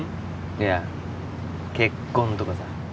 いや結婚とかさ